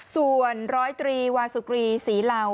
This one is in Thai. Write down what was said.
ส่วนร้อยตรีวาสุกรีศรีเหล่า